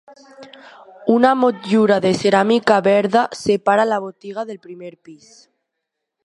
Una motllura de ceràmica verda separa la botiga del primer pis.